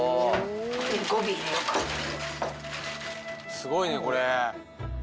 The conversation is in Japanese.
すごいねこれ。